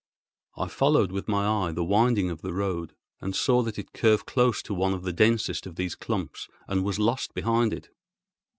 I followed with my eye the winding of the road, and saw that it curved close to one of the densest of these clumps and was lost behind it.